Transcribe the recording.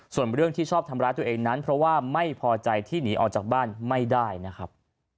ส่วนเรื่องที่ชอบทำร้ายตัวเองนั้นเพราะว่าไม่พอใจที่หนีออกจากบ้านไม่ได้นะครับ